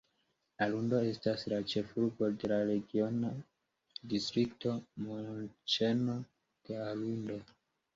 Arundo estas la ĉefurbo de la regiona distrikto "Montĉeno de Arundo".